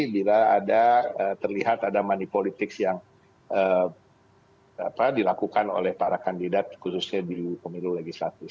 bila terlihat ada money politics yang dilakukan oleh para kandidat khususnya di pemilu legislatif